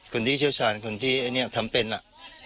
เชี่ยวชาญคนที่อันนี้ทำเป็นอ่ะ